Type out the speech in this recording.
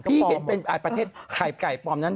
พี่เห็นเป็นประเทศไข่ไก่ปลอมนั้น